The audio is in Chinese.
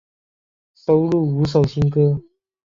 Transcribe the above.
收录五首新歌。